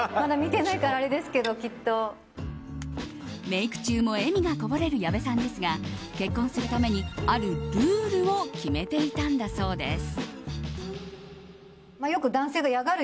メイク中も笑みがこぼれる矢部さんですが結婚するために、あるルールを決めていたんだそうです。